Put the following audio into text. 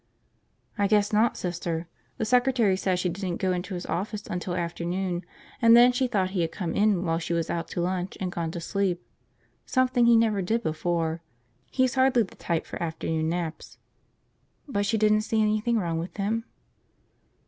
"I guess not, Sister. The secretary said she didn't go into his office until after noon, and then she thought he had come in while she was out to lunch and gone to sleep. Something he never did before. He's hardly the type for afternoon naps." "But she didn't see anything wrong with him?"